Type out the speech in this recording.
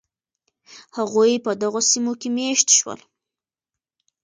هغوی په دغو سیمو کې مېشت شول.